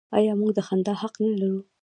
آیا موږ د خندا حق نلرو؟